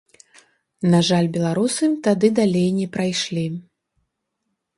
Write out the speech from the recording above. На жаль, беларусы тады далей не прайшлі.